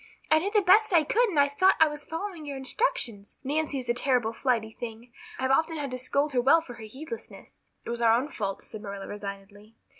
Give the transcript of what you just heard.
I did the best I could and I thought I was following your instructions. Nancy is a terrible flighty thing. I've often had to scold her well for her heedlessness." "It was our own fault," said Marilla resignedly.